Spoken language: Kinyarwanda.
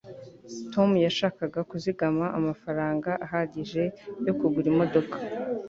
tom yashakaga kuzigama amafaranga ahagije yo kugura imodoka